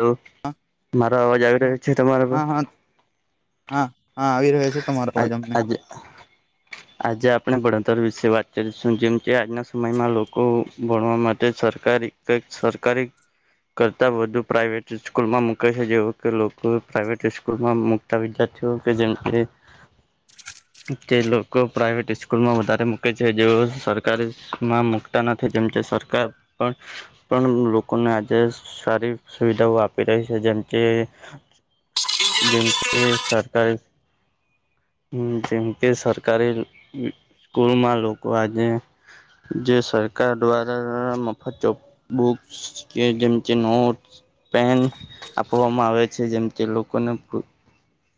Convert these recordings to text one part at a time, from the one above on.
તો હા મારો અવાજ આવી રહ્યો છે તમારા પર. હા હા હા હા આવી રહ્યો છે તમારો પર અવાજ અમને. [inaudible] આજે આપણે ભણતર વિશે વાત કરીશું જેમ કે આજના સમયમાં લોકો ભણવા માટે સરકારી કઈ સરકારી કરતાં વધુ પ્રાઇવેટ સ્કૂલમાં મુકે છે જેવું કે લોકો પ્રાઇવેટ સ્કૂલમાં મૂકતા વિદ્યાર્થીઓ જેમ કે જે લોકો પ્રાઇવેટ સ્કૂલમાં વધારે મૂકે છે જેઓ સરકારીમાં મૂકતા નથી જેમ કે સરકાર પણ પણ લોકોને આજે સારી સુવિધાઓ આપી રહી છે જેમ કે જેમ કે સરકારી હમ જેમ કે સરકારી સ્કૂલમાં લોકો આજે જે સરકાર દ્વારા મફત ચો બુક્સ કે જેમ કે નોટ્સ પેન આપવામાં આવે છે જેમ કે લોકોને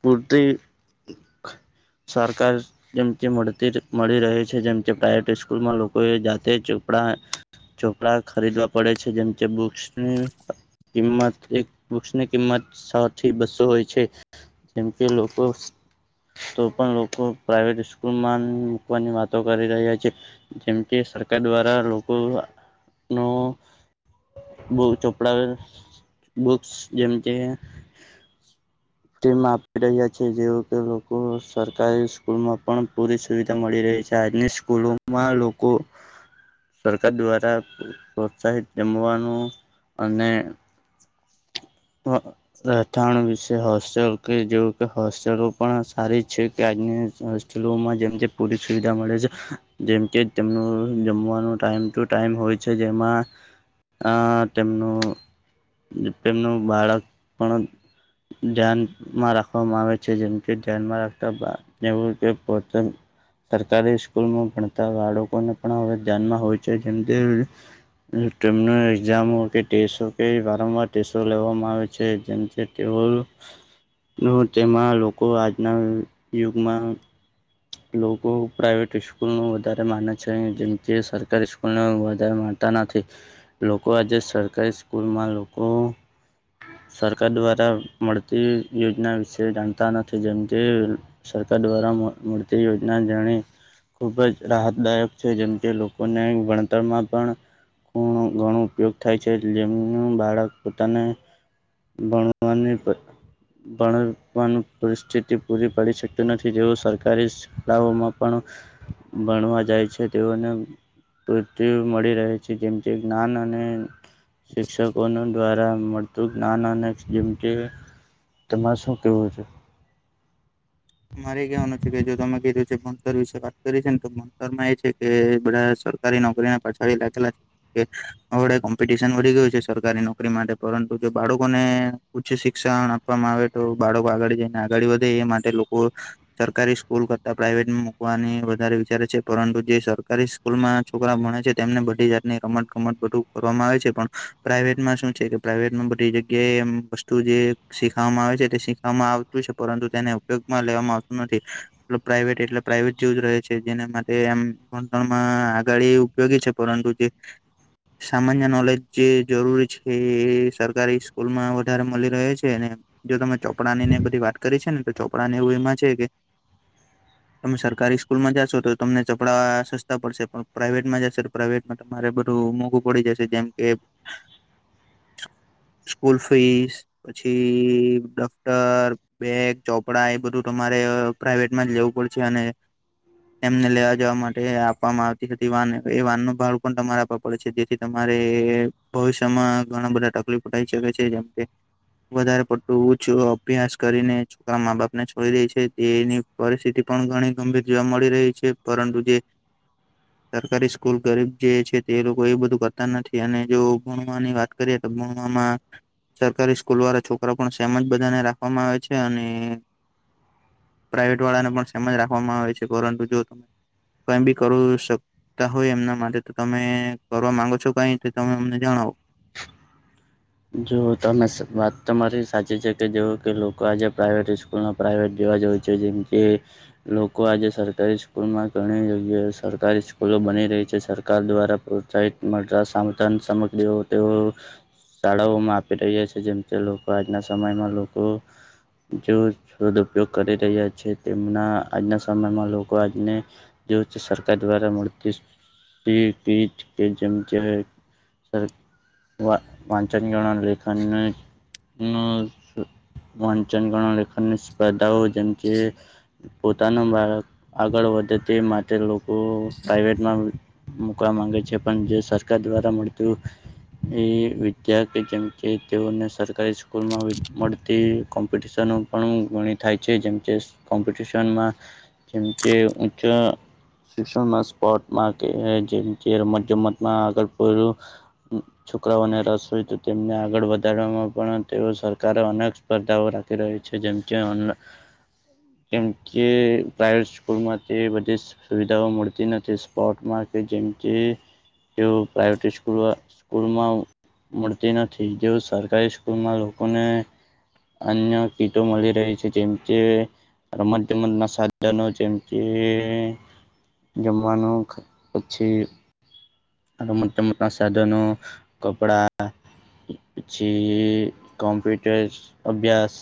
પૂરતી સરકાર જેમ મળતી મળી રહી છે જેમ કે પ્રાઈવેટ સ્કૂલમાં લોકોએ જાતે ચોપડા ચોપડા ખરીદવા પડે છે જેમ કે બુક્સની કિંમત એક બુક્સની કિંમત સો થી બસો હોય છે. જેમ કે લોકો તો પણ લોકો પ્રાઇવેટ સ્કૂલમાં મુકવાની વાતો કરી રહ્યા છે. જેમ કે સરકાર દ્વારા લોકો નુ બુ ચોપડા બુક્સ જેમ કે ટીમ આપી રહ્યા છે જેવુ કે લોકો સરકારી સ્કૂલમાં પણ પૂરી સુવિધા મળી રહી છે આજની સ્કૂલોમાં લોકો સરકાર દ્વારા પ્રોત્સાહિત જમવાનું અને હા. રહેઠાણ વિશે હોસ્ટેલ કે જેવું કે હોસ્ટેલો પણ સારી છે કે આજની હોમાં જેમ પૂરી સુવિધા મળે છે જેમ કે તેમનું જમવાનું ટાઈમ ટો ટાઈમ હોય છે જેમાં આ તેમનો તેમનું બાળક પણ ધ્યાન માં રાખવામાં આવે છે જેમ કે ધ્યાનમાં રાખતા પો સરકારી સ્કૂલમાં ભણતા બાળકોને પણ હવે ધ્યાનમાં હોય છે જેમ કે તેમનું એક્ઝામ હો કે ટેસ્ટ હો કે સો લેવામાં આવે છે જેમ તેમાં લોકો આજના યુગમાં લોકો પ્રાાઈવેટ સ્કૂલ નું વધારે માન છે જેમ કે સરકારી સ્કૂલ વધતા નથી લોકો આજે સરકારી સ્કૂલમાં લોકો સરકાર દ્વારા મળતી યોજના વિશે જાણતા નથી જેમ કે સરકાર દ્વારા મળતી યોજના જાણી ખૂબ જ રાહતદાયક છે જેમ કે લોકોને વણતરમાં પણ પણ ઘણો ઉપયોગ થાય છે જેમનું બાળક પોતાને ભણવાની ભણવાનું પરિસ્થિતિ પૂરી પડી શકત નથી જેવું સરકારી ઓમાં પણ ભણવા જાય છે તેઓને પૃ મળી રહે છે જેમથી જ્ઞાન અને શિક્ષકોને. દ્વારા મળતું નાના જેમકે તેમાં શું કેવું છે. મારે કહેવાનું છે કે જો તમે કીધું છે ભણતર વિશે વાત કરી છે ને તો ભણતરમાં એ છે કે બડા સર નોકરીને પછડી લખેલા છે. વડે કોમ્પિટિશન વધી ગયું છે સરકારી નોકરી માટે પરંતુ જો બાળકોને ઉચ્ચ શિક્ષણ આપવામાં આવે તો બાળકો આગળ જઈને આગળ વધે એ માટે લોકો સરકારી સ્કૂલ કરતા પ્રાઈવેટમાં મૂકવાની વધારે વિચારે છે પરંતુ જે સરકારી સ્કૂલમાં છોકરા ભણે છે તેમને બધી જાતની રમત-ગમત બધું કરવામાં આવે છે, પણ પ્રાાઈવેટમાં શું છે પ્રાઇવેટમાં બધી જગ્યાએ એમ વસ્તુ જે શીખવામાં આવે છે તે શીખવામાં આવતુ છે પરંતુ તેને ઉપયોગમાં લેવામાં આવતો નથી. મતલબ પ્રાઈવેટ એટલે પ્રાાઈવેટ જેવું જ રહે છે જેના માટે એમ ભણતરમાં આગાડી ઉપયોગી છે પરંતુ જે સામાન્ય નોલેજ જે જરૂરી છે એ સરકારી સ્કૂલમાં વધારે મલી રહે છે અને જો તમે ચોપડાની ને એ બધી વાત કરી છે ને તો ચોપડાને એવું એમાં છે કે [inaudible] તમે સરકારી સ્કૂલમાં જાશો તો તમને ચોપડા સસ્તા પડશે, પણ પ્રાઈઇવેટમાં જશો તો પ્રાઇવેટ માં તમારે બધું મોઘું પડી જશે જેમ કે [inaudible] સ્કૂલ ફીસ પછી ડફ્ટર, બેગ ચોપડા એ બધું તમારે પ્રાઈવેટમાં જ લેવું પડશે અને એમને લેવા-જવા માટે આપવામાં આવતી હતી વાન એ વાનનું ભાડુ તમારા પપ પડે છે, જેથી તમારે ભવિષ્યમાં ઘણા બધા તકલીફો થઈ શકે છે જેમ કે વધારે પડતું ઉચુ અભ્યાસ કરીને તારા મા-બાપને છોડી દે છે, તેની પરિસ્થિતિ પણ ઘણી ગંભીર જોવા મળી રહી છે પરંતુ જે [inaudible] સરકારી સ્કૂલ ગરીબ જે છે તે લોકો એવુ બધું કરતા નથી અને જો ભણવાની વાત કરીએ તો ભણવામાં સરકારી સ્કૂલવાળા છોકરા પણ સેમ જ બધાને રાખવામાં આવે છે અને ને પ્રાઈવેટ વાળાને પણ સેમ જ રાખવામાં આવે છે, પરંતુ જો કાંઈ બી કરુ શક તા હોય એમના માટે તો તમે કરવા માંગો છો કઈ? તો તમે અમને જણાવો. જો તમે સ વાત તમારી સાચી છે કે જેવુ કે લોકો આજે પ્રાઇવેટ ઈ પૂર્ણ પ્રાઇવેટ જવા જેવુ છે જેમ કે લોકો આજે સરકારી સ્કૂલમાં ઘણી જગ્યાએ સરકારી સ્કૂલો બની રહી છે. સરકાર દ્વારા સાઈટ મટા સામતન સામગ્રીઓ તેઓ શાળાઓમાં આપી રહ્યા છે, જેમ કે લોકો આજના સમયમાં લોકો જો સદઉપયોગ કરી રહ્યા છે, તેમના આજના સમયમાં લોકો આજને જેવુ જ છે, સરકાર દ્વારા મળતી પી ટીચ પેનશન છે, સર વા વાંચણિયોના લેખનને નું શુ વાંચનગણા લેખનની સ્પર્ધાઓ જેમ કે પોતાનું બાળક આગળ વધે તે માટે લોકો પ્રાઈવેટમાં મુકવા માંગે છે, પણ જે સરકાર દ્વારા મળતુ ની વી ધ્યાર્થી જેમ કે, તેઓને સરકારી સ્કૂલમાં મળતી કોમ્પિટિશનો પણ ઘણી થાય છે, જેમ કોમપિટશનમાં જેમ કે ઉંચા શિક્ષણમાં, સ્પોટમાં કે જેમ કે, રમત-ગમતમાં આગળ પોયરુ છોકરાને રસ હોય તો તેમને આગળ વધારવામાં પણ તેઓ સરકારો અનેક સ્પર્ધાઓ રાખી રહી છે, જેમ કે અન કેમ કે, પ્રાઈવેટ સ્કૂલમાં તે બધી સુવિધાઓ મળતી નથી સ્પોટમાં કે જેમ કે તેઓ પ્રાઈવેેટ ઈસ્કૂલ સ્કૂલમાં મળતી નથી, જેવું સરકારી સ્કૂલમાં લોકોને અન્ય કીટો મળી રહી છે, જેમ કે રમત-ગમતના સાધનો જેમ કે જમવાનું ખ પછી રમત-ગમતના સાધનો, કપડાં પછી કોમ્પ્યુટર, અભ્યાસ.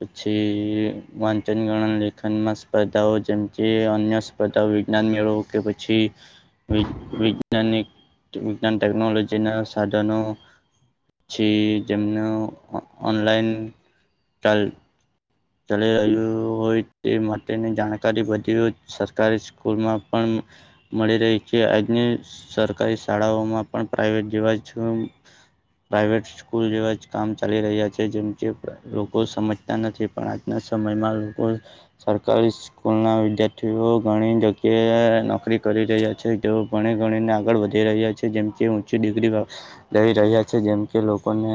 પછી વાંચનગણન લેખનમાં સ્પર્ધાઓ જેમ જે અન્ય સ્પર્ધા વિજ્ઞાન મેળો કે પછી જ્ઞાની વિજ્ઞાન ટેકનોલોજીના સાધનો પછી જેમનું ઓ ઓનલાઈન તલ. ચલી રહ્યું હોયતે, માટેની જાણકારી વધી હોય. સરકારી સ્કૂલમાં પણ મળી રહી છે, આજની સરકારી શાળાઓમાં પણ પ્રાઇવેટ જેવા જ. પ્રાઇવેટ સ્કૂલ જેવાજ કામ ચાલી રહ્યા છે, જેમ જેમ લોકો સમજતા નથી. પણ આજના સમયમાં લોકો સરકારી. સ્કૂલના વિદ્યાર્થીઓ ઘણી જગ્યાએ નોકરી કરી રહ્યા છે, જે ભણીગણીને આગળ વધી રહ્યા. છે જેમકે ઊંચી ડિગ્રી વાળુ. લઈ રહ્યા છે, જેમકે લોકોને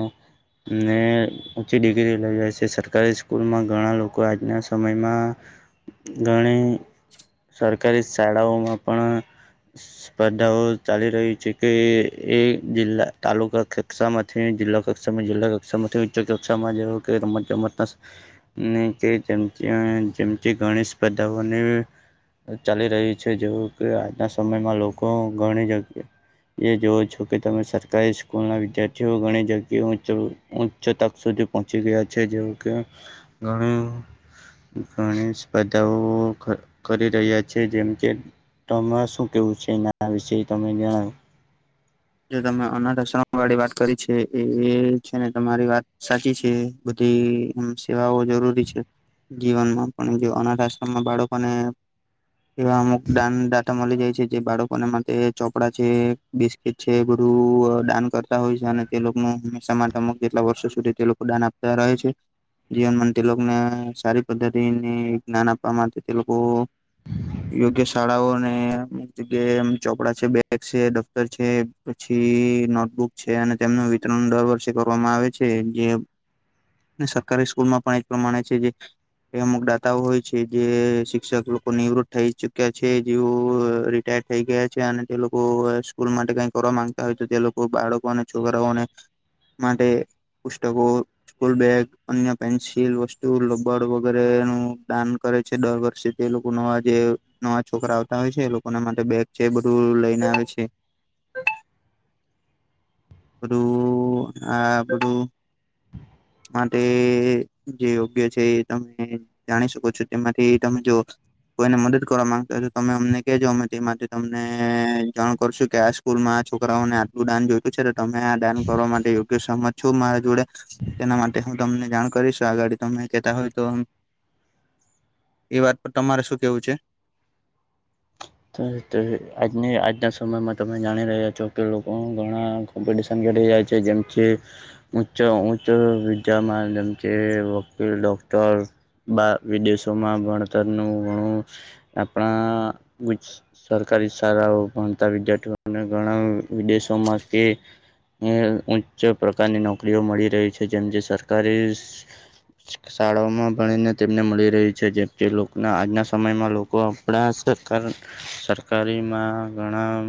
ને ઊંચી ડિગ્રી લઈએ છે, સરકારી સ્કૂલમાં ઘણા લોકો આજના સમયમાં ઘણી સરકારી શાળાઓમાં પણ સ્પર્ધાઓ ચાલી રહી છે. તે એ જિલ્લા તાલુકા કક્ષામાંથી જિલ્લા કક્ષામાં જિલ્લા કક્ષામાંથી જોકે કક્ષામાં જેવુ કે, રમતગમતના ને જે જેમ જે જેમ જે ઘણી સ્પર્ધાઓને ચાલી રહી છે, જેવું કે આજના સમયમાં લોકો ઘણી જગ્યાએ. એ જોવો છો, કે તમે સરકારી સ્કૂલના વિદ્યાર્થીઓ ઘણી જગ્યા હતો. ઉચ્ચ તક સુધી પહોંચી ગયા છે, જેવુકે ઘણી ઘણી સ્પર્ધાઓ ક કરી રહ્યા છે, જેમકે ચોમાસું કેવું છે, એના વિશે તમે જણાવો. જો તમે અનાથશ્રમ વાળી વાત કરી છે, એ છેને તમારી વાત સાચી છે. બધી સેવાઓ જરૂરી છે. જીવનમાં પણ જે અનાથ આશ્રમમાં બાળકોને એવા અમુકદાન દાતા મળી જાય છે, જે બાળકોને માટે ચોપડા છે, બિસ્કીટ કે છે બધું અ દાન કરતા હોય છે. અને તે લોકોનું હંમેશા માટે અમુક જેટલા વર્ષો સુધી તે લોકો દાન આપ તા રહે છે. જીવનમાં તે લોકોને સારી પદ્ધતિને અને જ્ઞાન આપવા માટે તે લોકો યોગ્ય શાળાઓ અને અમુક જગ્યા એમ ચોપડા છે, બેગ છે દફ તર છે, પછી નોટબુક છે. અને તેમનું વિતરણ દર વર્ષે કરવામાં આવે છે. જે ને સરકારી સ્કૂલમાં પણ એ જ પ્રમાણે છે. એ અમુકદાતાઓ હોય છે. જે શિક્ષક લોકો નિવૃત થઈ ચુક્યા છે જેઓ રિટાયડ થઈ ગયા છે. અને તે લોકો સ્કૂલ માટે કઈ કરવા માંગતા હોય તો તે લોકો બાળકો અને છોકરાઓને માટે પુસ્તકો સ્કૂલ બેગ અન્ય પેન્સિલ, વસ્તુ, રબડ વગેરે એનું દાન કરે છે દર વર્ષે. એ લોકો નવા જે નવા છોકરાઓ આવતા હોય છે એ લોકોના માટે બેગ છે એ બધું લઈને આવે છે. [inaudible] બધું આ બધું. માટે જે યોગ્ય છે એ તમે જાણી શકો છો. તેમાંથી તમે જો કોઈને મદદ કરવા માંગતા હોય તો તમે અમને કેજો અમે તે માટે તમને જાણ કરશું. કે આ સ્કૂલમાં છોકરાઓને આટલું દાન જોયતું છે તમે આ દાન કરવા માટે યોગ્ય સહમત છો મારા જોડે. તેના માટે હું તમને જાણ કરીશ આગળડી તમે કેતા હોય તો એ વાત પર તમારે શું કેવું છે? તઈ તઈ આજની આજના સમયમાં તમે જાણી રહ્યા છો કે લોકો ઘણા કોમ્પિટીશન ઘટી જાય છે. જેમ છે ઉચ્ચ ઉચ્ચ વિદ્યા માધ્યમ વકીલ, ડોક્ટર બા વિદેશોમાં ભણતરનું ઘણું આપણા સરકારી શાળાઓ ભણતા વિદ્યાર્થીઓને ઘણા વિદેશોમાં કે એ ઉચ્ચ પ્રકારની નોકરીઓ મળી રહે છે જેમ જે સરકારીઝ શાળાઓમાં ભણીને તેમને મળી રહી છે જેમ જે લોકોન આજનાં સમયમાં લોકો અભ્યાસ કર સરકારીમાં ઘણાં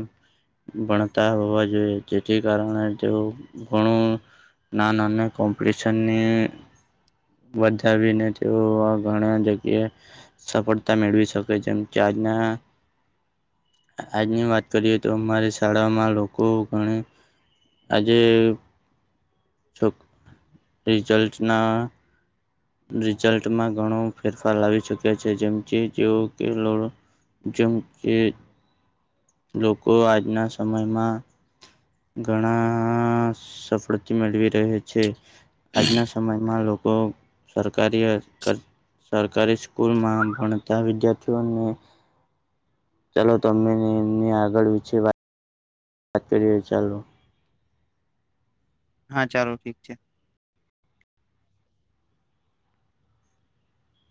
ભણતા હોવા જોઈએ તેથી કારણે તેઓ ઘણું નાના અને કોમ્પિટિશનની વધાવીને તેઓ ભણ્યા જે કે સફળતા મેળવી શકે છે આજના આજની વાત કરીએ તો અમારી શાળામાં લોકો ઘણી આજે છો રિઝલ્ટ્સના રિઝલ્ટમાં ઘણો ફેરફાર લાવી શકે છે જેમ કે જેઓ કેલો જેમ કે લોકો આજનાં સમયમાં ઘણાં સફળતી મેળવી રહે છે. આજનાં સમયમાં લોકો સરકારી અ ક સરકારી સ્કૂલમાં ભણતાં વિદ્યાર્થીઓને ચાલો તમને એમની આગળ વિશે વા વાત કરીએ ચાલો. હા ચાલો ઠીક છે.